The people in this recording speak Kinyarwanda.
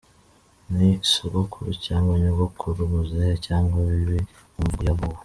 Ni sogokuru cyangwa nyogokuru, muzehe cyangwa bibi mu mvugo y’abubu.